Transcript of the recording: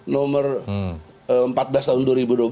nomor empat belas tahun dua ribu empat belas